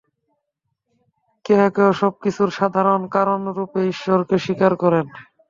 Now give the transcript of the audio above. কেহ কেহ সব কিছুর সাধারণ কারণরূপে ঈশ্বরকে স্বীকার করেন।